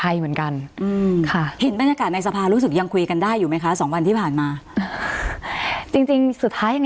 ยังไงเราก็คุยภาษาไทยเหมือนกัน